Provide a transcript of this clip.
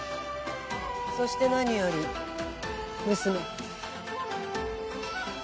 そして何より娘。